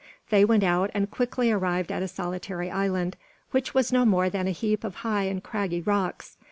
They went out and quickly arrived at a solitary island, which was no more than a heap of high and craggy rocks.